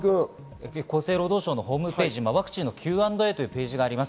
厚生労働省のホームページワクチンのＱ＆Ａというページがあります。